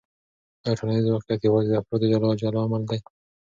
آیا ټولنیز واقعیت یوازې د افرادو جلا جلا عمل دی؟